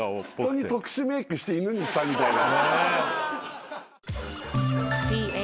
人に特殊メークして犬にしたみたいな。